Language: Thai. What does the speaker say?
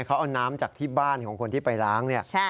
เขาเอาน้ำจากที่บ้านของคนที่ไปล้างเนี่ย